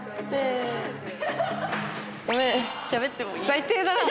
最低だな！